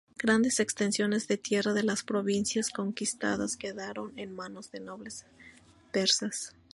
Grandes extensiones de tierra de las provincias conquistadas quedaron en manos de nobles persas.